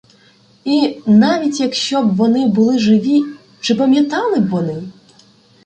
І, навіть якщо б вони були живі, чи пам'ятали б вони?